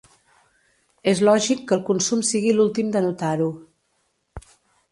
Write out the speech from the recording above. És lògic que el consum sigui l’últim de notar-ho.